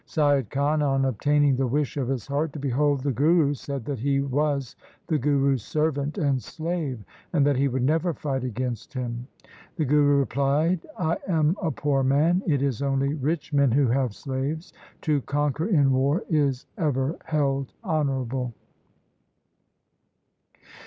Saiyad Khan on obtaining the wish of his heart to behold the Guru, said that he was the Guru's servant and slave, and that he would never fight against him. The Guru replied, ' I am a poor man. It is only rich men who have slaves. To conquer in war is ever held honourable.'